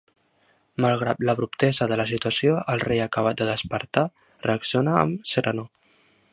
Malgrat l'abruptesa de la situació, el rei acabat de despertar reacciona amb serenor.